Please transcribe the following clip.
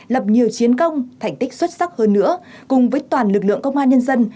lập nhiều chiến công thành tích xuất sắc hơn nữa cùng với toàn lực lượng công an nhân dân